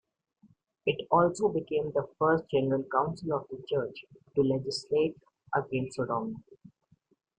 It also became the first general Council of the Church to legislate against sodomy.